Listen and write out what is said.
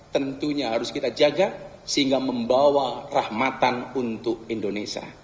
tentunya harus kita jaga sehingga membawa rahmatan untuk indonesia